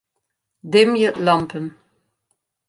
Dimje lampen.